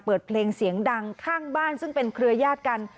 เปิดเพลงเสียงดังข้างบ้านซึ่งเป็นเครือยาศกัน